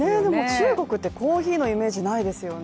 中国ってコーヒーのイメージないですよね。